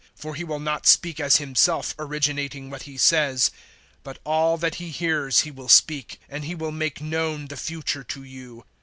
For He will not speak as Himself originating what He says, but all that He hears He will speak, and He will make known the future to you.